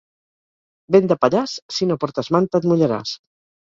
Vent de Pallars, si no portes manta, et mullaràs.